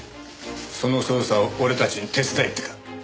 その捜査を俺たちに手伝えってか？